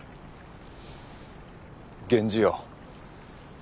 源氏よ。